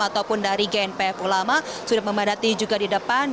ataupun dari gnpf ulama sudah memadati juga di depan